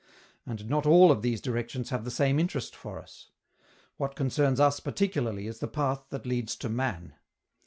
And not all of these directions have the same interest for us: what concerns us particularly is the path that leads to man.